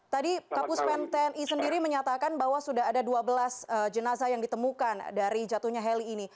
tadi kapus pen tni sendiri menyatakan bahwa sudah ada dua belas jenazah yang ditemukan dari jatuhnya heli ini